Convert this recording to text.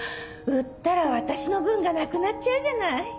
売ったら私の分がなくなっちゃうじゃない。